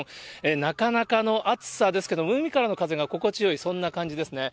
なかなかの暑さですけども、海からの風が心地よい、そんな感じですね。